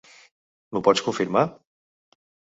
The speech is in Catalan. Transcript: M'ho pots confirmar?